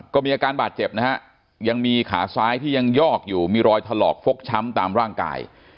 ก็มีอาการบาดเจ็บนะฮะยังมีขาซ้ายที่ยังยอกอยู่มีรอยถลอกฟกช้ำตามร่างกาย